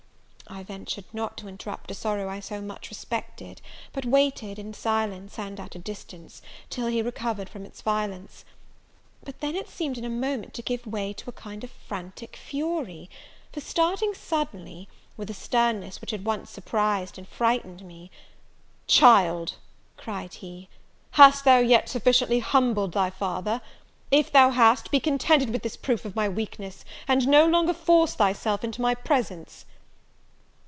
I ventured not to interrupt a sorrow I so much respected; but waited in silence, and at a distance, till he recovered from its violence. But then it seemed in a moment to give way to a kind of frantic fury; for starting suddenly, with a sternness which at once surprised and frightened me, "Child," cried he, "hast thou yet sufficiently humbled thy father? if thou hast, be contented with this proof of my weakness, and no longer force thyself into my presence!"